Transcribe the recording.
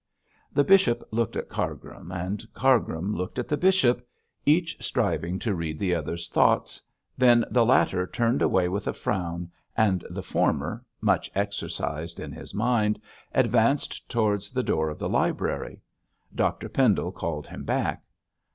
The bishop looked at Cargrim, and Cargrim looked at the bishop, each striving to read the other's thoughts, then the latter turned away with a frown, and the former, much exercised in his mind, advanced towards the door of the library. Dr Pendle called him back.